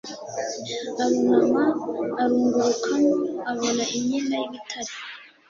Arunama arungurukamo abona imyenda y ibitare